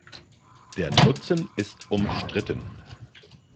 Der Nutzen ist umstritten.